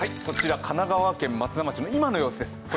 こちら神奈川県松田町の今の様子です。